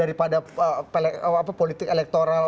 daripada politik elektoral